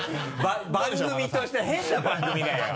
番組として変な番組だよ。